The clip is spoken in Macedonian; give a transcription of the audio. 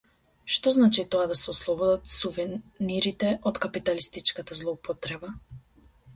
Што значи тоа да се ослободат сувенирите од капиталистичката злоупотреба?